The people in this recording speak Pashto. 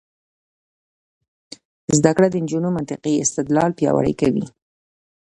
زده کړه د نجونو منطقي استدلال پیاوړی کوي.